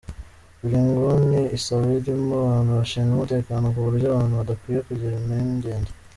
Buri nguni izaba irimo abantu bashinzwe umutekano ku buryo abantu badakwiye kugira impungenge.